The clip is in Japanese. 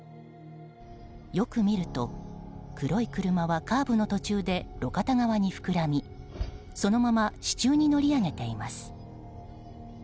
よく見ると、黒い車はカーブの途中で路肩側に膨らみそのまま支柱に乗り上げています。